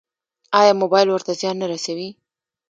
ایا موبایل ورته زیان نه رسوي؟